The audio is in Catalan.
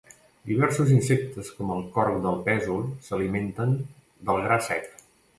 Diversos insectes com el corc del pèsol s'alimenten del gra sec.